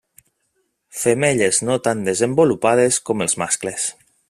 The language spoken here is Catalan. Femelles no tan desenvolupades com els mascles.